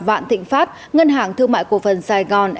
vạn thịnh pháp ngân hàng thương mại cổ phần sài gòn